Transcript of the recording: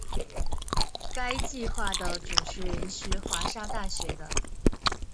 该计画的主持人是华沙大学的。